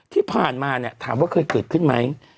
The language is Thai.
ที่ผ่านมาเนี่ยถามว่าเคยเกิดขึ้นไหม